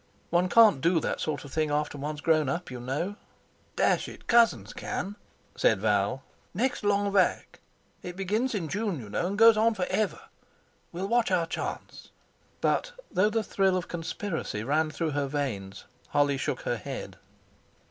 One can't do that sort of thing after one's grown up, you know." "Dash it! cousins can," said Val. "Next Long Vac.—it begins in June, you know, and goes on for ever—we'll watch our chance." But, though the thrill of conspiracy ran through her veins, Holly shook her head.